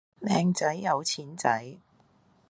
靚仔有錢仔